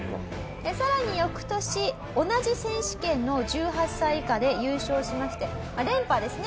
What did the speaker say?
さらに翌年同じ選手権の１８歳以下で優勝しまして連覇ですね